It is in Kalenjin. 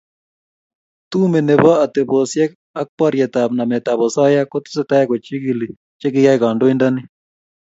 Tume nebo atebosiek ak borietap nametab osoya kotesetai kochigili che kiyai kandoindoni